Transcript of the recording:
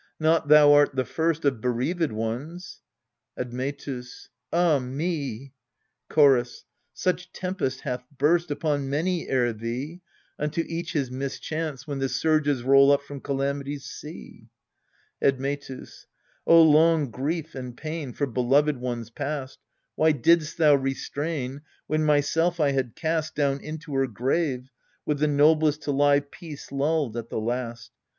Not thou art the first Of bereaved ones. Admetus. Ah me ! Chorus. Such tempest hath burst Upon many ere thee. Unto each his mischance, when the surges roll up from Calamity's sea. Admetus. Oh, long grief and pain For beloved ones passed ! Why didst thou restrain When myself I had cast Down into her grave, with the noblest to lie peace lulled at the last ?